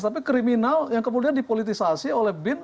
tapi kriminal yang kemudian dipolitisasi oleh bin